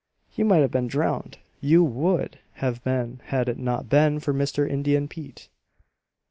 "You might have been drowned, you WOULD have been had it not been for Mr. Indian Pete."